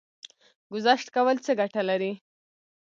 ګذشت کول څه ګټه لري؟